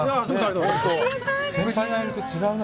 先輩がいると違うね。